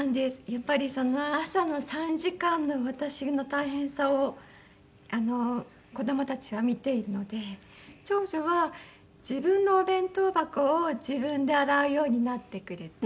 やっぱりその朝の３時間の私の大変さを子どもたちは見ているので長女は自分のお弁当箱を自分で洗うようになってくれて。